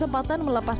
semoga mayana di bawah